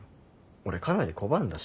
俺かなり拒んだし。